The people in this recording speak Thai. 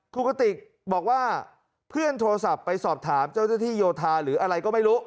กติกบอกว่าเพื่อนโทรศัพท์ไปสอบถามเจ้าหน้าที่โยธาหรืออะไรก็ไม่รู้